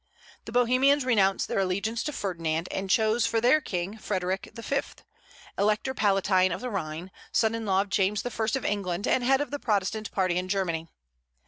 The Bohemians renounced their allegiance to Ferdinand, and chose for their king Frederick V., Elector Palatine of the Rhine, son in law of James I. of England, and head of the Protestant party in Germany.